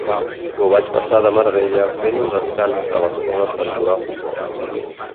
M'ho vaig passar de meravella fent un descans de l'escola per jugar a futbol.